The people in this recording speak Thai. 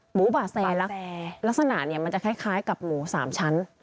หมูบ่าแซลักษณะเนี่ยมันจะคล้ายกับหมู๓ชั้น